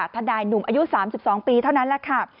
ทนายหนุ่มอายุ๓๒ปีเท่านั้นแหละค่ะ